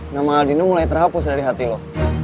nama aldino mulai terhapus dari hati lo